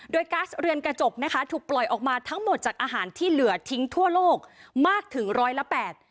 โดยก๊าซเรือนกระจกนะคะถูกปล่อยออกมาทั้งหมดจากอาหารที่เหลือทิ้งทั่วโลกมากถึงร้อยละแปด